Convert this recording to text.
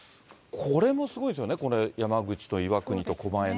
これもすごいですよね、この山口と岩国と狛江ね。